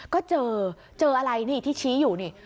ก็เจออะไรที่ชี้อยู่นี่